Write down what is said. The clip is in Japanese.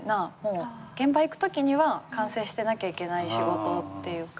現場行くときには完成してなきゃいけない仕事っていうか。